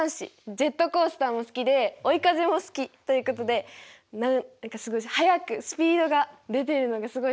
ジェットコースターも好きで「追い風」も好きということで何か速くスピードが出てるのがすごい好きなのかなと思いました。